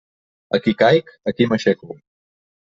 Aquí caic, aquí m'aixeco.